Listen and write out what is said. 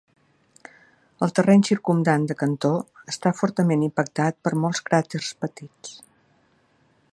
El terreny circumdant de Cantor està fortament impactat per molts cràters petits.